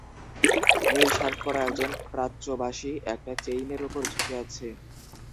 নীল shirt পরা একজন প্রাচ্যবাসী একটা চেইনের ওপর ঝুঁকে আছে।